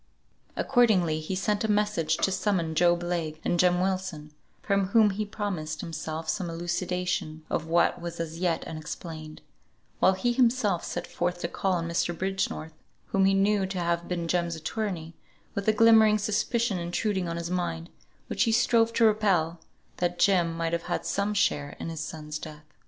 Accordingly he sent a message to summon Job Legh and Jem Wilson, from whom he promised himself some elucidation of what was as yet unexplained; while he himself set forth to call on Mr. Bridgenorth, whom he knew to have been Jem's attorney, with a glimmering suspicion intruding on his mind, which he strove to repel, that Jem might have had some share in his son's death.